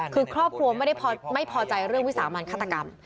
คือครอบครัวไม่ได้ไม่พอใจเรื่องวิสามันฆาตกรรม